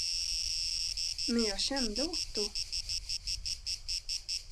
Men jag kände Otto.